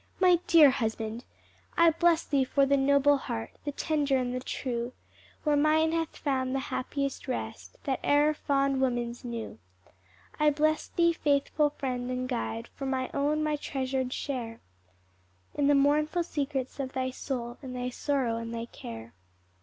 My dear husband, "'I bless thee for the noble heart, The tender and the true, Where mine hath found the happiest rest That e'er fond woman's knew; I bless thee, faithful friend and guide, For my own, my treasur'd share, In the mournful secrets of thy soul, In thy sorrow and thy care.'"